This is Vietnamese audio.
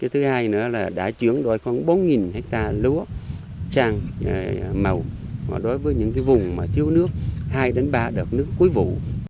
thứ hai đã chuyển đổi khoảng bốn hectare lúa sang màu đối với những vùng thiếu nước hai ba đợt nước cuối vụ